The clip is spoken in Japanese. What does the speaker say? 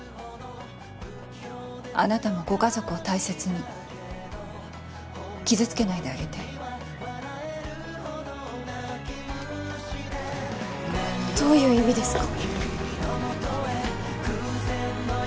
あなたもご家族を大切に傷つけないであげてどういう意味ですか？